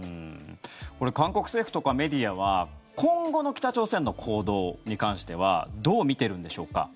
これ韓国政府とかメディアは今後の北朝鮮の行動に関してはどう見ているんでしょうか。